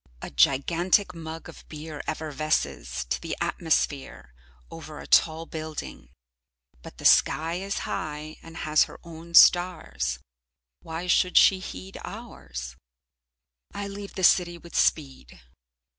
A gigantic mug of beer effervesces to the atmosphere over a tall building, but the sky is high and has her own stars, why should she heed ours? I leave the city with speed.